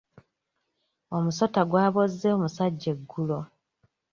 Omusota gwabozze omusajja eggulo.